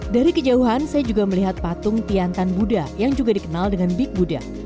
dari kejauhan saya juga melihat patung tiantan buddha yang juga dikenal dengan big buddha